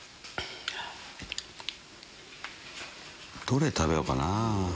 どれ食べようかな。